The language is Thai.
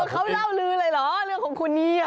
เขาเล่าลือเลยเหรอเรื่องของคุณนี่